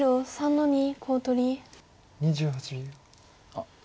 あっ。